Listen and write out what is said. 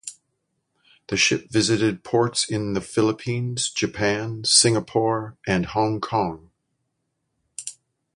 The ship visited ports in the Philippines, Japan, Singapore, and Hong Kong.